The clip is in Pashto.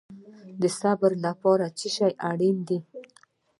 د صبر لپاره څه شی اړین دی؟